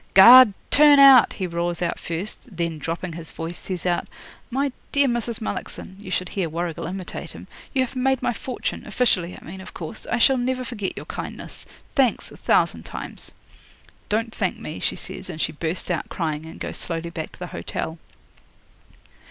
'"Guard, turn out," he roars out first; then, dropping his voice, says out, "My dear Mrs. Mullockson" (you should hear Warrigal imitate him), "you have made my fortune officially, I mean, of course. I shall never forget your kindness. Thanks, a thousand times." '"Don't thank me," she says, and she burst out crying, and goes slowly back to the hotel.